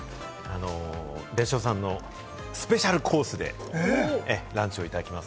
別所さんのスペシャルコースでランチをいただきます。